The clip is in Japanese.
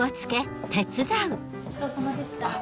ごちそうさまでした。